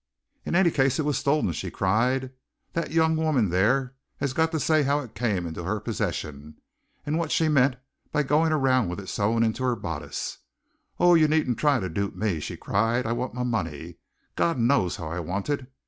"In any case, it was stolen!" she cried. "That young woman there has got to say how it came into her possession, and what she meant by going around with it sewn into her bodice! Oh, you needn't try to dupe me!" she cried. "I want my money God knows how I want it!